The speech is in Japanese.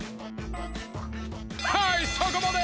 はいそこまで！